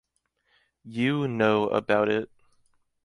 You know about it.